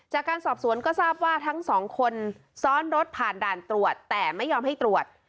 จากการสอบสวนก็ทราบว่าทั้งสองคนซ้อนรถผ่านด่านตรวจแต่ไม่ยอมให้ตรวจ